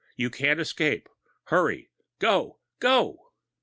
You can't escape! Hurry, go, GO!...